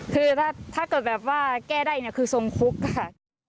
คือถ้าก็แบบว่าแก้ได้คือทรงคุกค่ะ